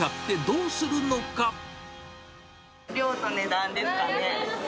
量と値段ですかね。